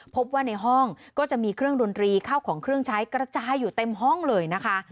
พบว่าในห้องก็จะมีเครื่องดนตรีข้าวของเครื่องใช้กระจายอยู่เต็มห้องเลยนะคะ